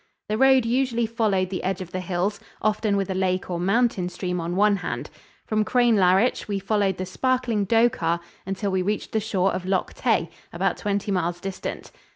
The road usually followed the edge of the hills, often with a lake or mountain stream on one hand. From Crianlarich we followed the sparkling Dochart until we reached the shore of Loch Tay, about twenty miles distant.